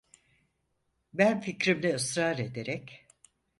Ben fikrimde ısrar ederek: